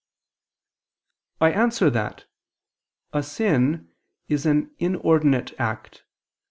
I answer that, A sin is an inordinate act.